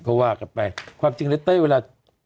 ครับก็วากกลับไปความจริงเลยเต้ยเวลา